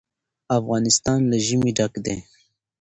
افغانستان له ژمی ډک دی.